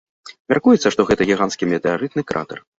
Мяркуецца, што гэта гіганцкі метэарытны кратар.